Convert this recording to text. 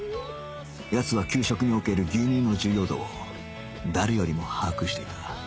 奴は給食における牛乳の重要度を誰よりも把握していた